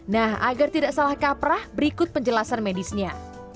nah agar tidak salah kaprah berikut penjelasan medisnya